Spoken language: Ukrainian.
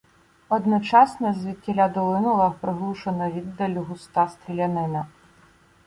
Одночасно звідтіля долинула приглушена віддаллю густа стрілянина.